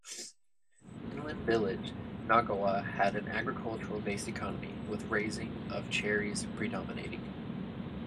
An inland village, Nagawa had an agriculture-based economy, with raising of cherries predominating.